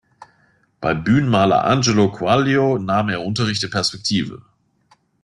Bei Bühnenmaler Angelo Quaglio nahm er Unterricht in Perspektive.